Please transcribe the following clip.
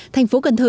thành phố cần thơ